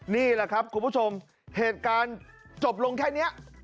นี่แหละครับคุณผู้ชมเหตุการณ์จบลงแค่นี้